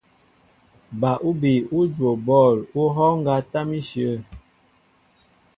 Ba úbi ú juwo bɔ̂l ú hɔ́ɔ́ŋ ŋgá tâm íshyə̂.